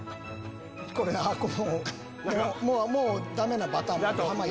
これもうもうダメなパターン濱家。